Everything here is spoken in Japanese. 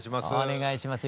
お願いします。